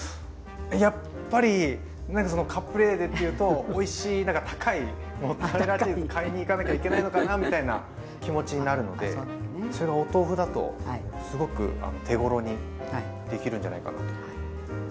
やっぱりなんかそのカプレーゼっていうとおいしい高いモッツァレラチーズ買いに行かなきゃいけないのかなみたいな気持ちになるのでそれがお豆腐だとすごく手ごろにできるんじゃないかなと。